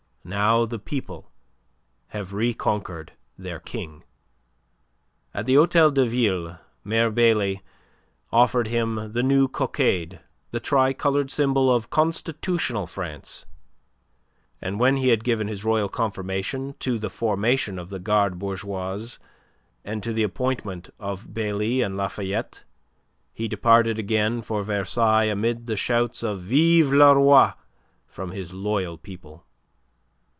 Now the people have reconquered their King." At the Hotel de Ville Mayor Bailly offered him the new cockade, the tricoloured symbol of constitutional France, and when he had given his royal confirmation to the formation of the Garde Bourgeoise and to the appointments of Bailly and Lafayette, he departed again for Versailles amid the shouts of "Vive le Roi!" from his loyal people.